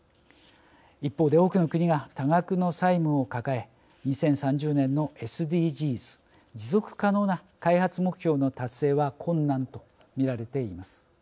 一方で多くの国が多額の債務を抱え２０３０年のＳＤＧｓ持続可能な開発目標の達成は困難と見られています。